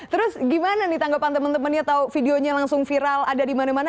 terus gimana nih tanggapan temen temennya tau videonya langsung viral ada dimana mana